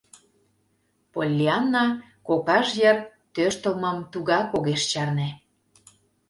Поллианна кокаж йыр тӧрштылмым тугак огеш чарне.